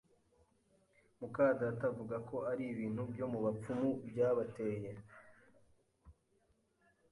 mukadata avuga ko ari ibintu byo mu bapfumu byabateye